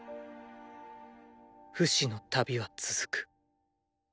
フシの旅は続く。